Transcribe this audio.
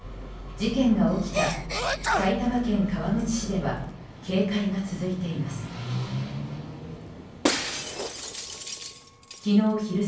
事件が起きた埼玉県川口市では警戒が続いています。